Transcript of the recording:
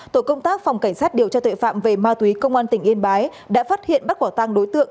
tổ công tác phòng cảnh sát điều tra tuệ phạm về ma túy công an tỉnh yên bái đã phát hiện bắt quả tăng đối tượng